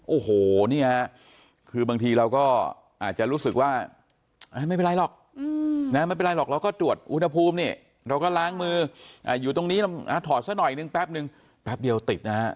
โอ้โหเนี่ยคือบางทีเราก็อาจจะรู้สึกว่าไม่เป็นไรหรอกไม่เป็นไรหรอกเราก็ตรวจอุณหภูมินี่เราก็ล้างมืออยู่ตรงนี้ถอดซะหน่อยนึงแป๊บนึงแป๊บเดียวติดนะฮะ